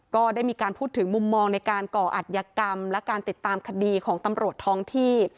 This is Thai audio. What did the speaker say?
ก็ได้มีการพูดถึงมุมมองในการก่ออัตยกรรมและการติดตามคดีของตำรวจท้องที่